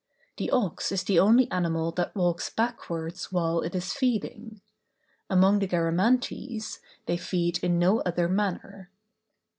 The ox is the only animal that walks backwards while it is feeding; among the Garamantes, they feed in no other manner.